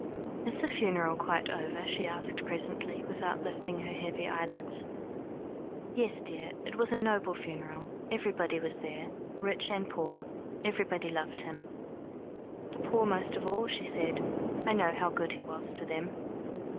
"Is the funeral quite over?" she asked presently, without lifting her heavy eyelids. "Yes, dear. It was a noble funeral. Everybody was there rich and poor. Everybody loved him." "The poor most of all," she said. "I know how good he was to them."